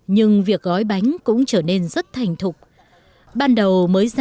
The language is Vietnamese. nhưng việc gói bánh cũng trở nên rất thành tựu